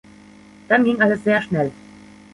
Dann ging alles sehr schnell.